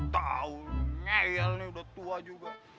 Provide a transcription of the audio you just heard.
tau ngeel nih udah tua juga